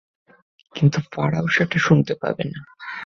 কিন্তু ফারাও সেটা শুনতে পাবে না।